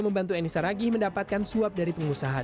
membantu enisa ragih mendapatkan suap dari pengusaha